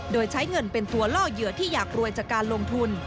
โดยใช้เงินเป็นตัวล่อเหยื่อที่อยากรวยจากการลงทุน